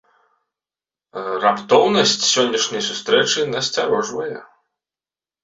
Раптоўнасць сённяшняй сустрэчы насцярожвае.